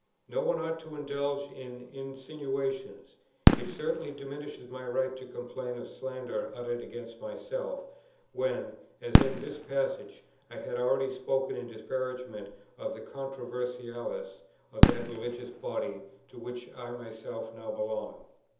No one ought to indulge in insinuations; it certainly diminishes my right to complain of slanders uttered against myself, when, as in this passage, I had already spoken in disparagement of the controversialists of that religious body, to which I myself now belong.